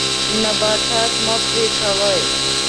نباتات مه پرې کوئ.